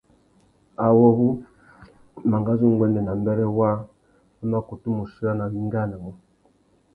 Awô wu mangazu nguêndê nà mbêrê waā a mà kutu mù chirana wá ingānamú.